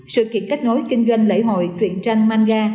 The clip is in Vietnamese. sự kiện kết nối kinh doanh lễ hội truyện tranh manga